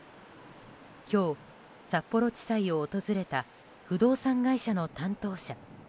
今日、札幌地裁を訪れた不動産会社の担当者。